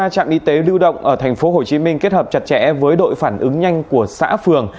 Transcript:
bốn trăm linh ba trạm y tế lưu động ở thành phố hồ chí minh kết hợp chặt chẽ với đội phản ứng nhanh của xã phường